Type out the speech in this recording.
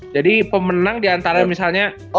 jadi pemenang di antara misalnya